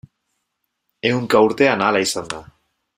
Ehunka urtean hala izan da.